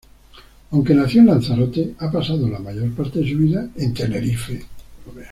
Aunque nació en Lanzarote, ha pasado la mayor parte de su vida en Tenerife.